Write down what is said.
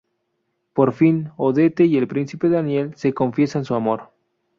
Por fin, Odette y el Príncipe Daniel se confiesan su amor.